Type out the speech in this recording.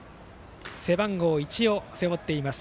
背番号１を背負っています。